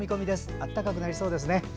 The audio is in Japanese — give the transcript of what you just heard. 暖かくなりそうですね。